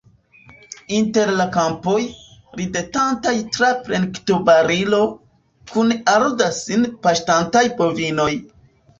Inter la kampoj, ridetantaj tra plektobarilo, kun aro da sin paŝtantaj bovinoj.